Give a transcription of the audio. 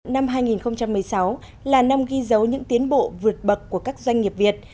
năm hai nghìn một mươi sáu là năm ghi dấu những tiến bộ vượt bậc của các doanh nghiệp việt